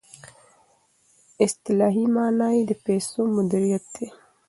اصطلاحي معنی یې د پیسو مدیریت دی.